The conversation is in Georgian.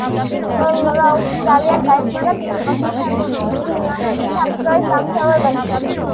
კოლრაუში ძალიან დაეხმარა ფიზიკოსებს თერმოდინამიკის საფუძვლების დამუშავებაში.